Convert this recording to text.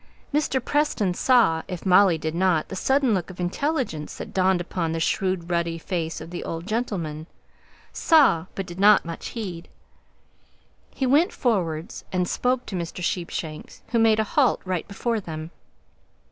Mr. Preston saw, if Molly did not, the sudden look of intelligence that dawned upon the shrewd ruddy face of the old gentleman saw, but did not much heed. He went forwards and spoke to Mr. Sheepshanks, who made a halt right before them.